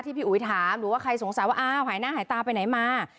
พี่อุ๋ยถามหรือว่าใครสงสัยว่าอ้าวหายหน้าหายตาไปไหนมา